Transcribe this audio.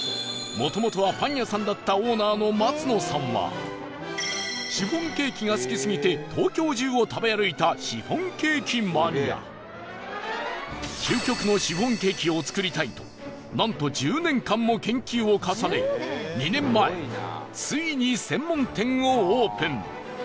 もともとは、パン屋さんだったオーナーの松野さんはシフォンケーキが好きすぎて東京中を食べ歩いたシフォンケーキマニア究極のシフォンケーキを作りたいとなんと、１０年間も研究を重ね２年前ついに専門店をオープン